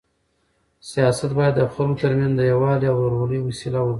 سیاست باید د خلکو تر منځ د یووالي او ورورولۍ وسیله وګرځي.